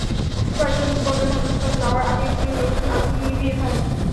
Fire সার্ভিসের কর্মীরা ঘটনাস্থলে যাওয়ার আগেই স্থানীয় লোকজন আগুন নিভিয়ে ফেলেন।